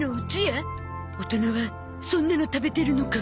大人はそんなの食べてるのか。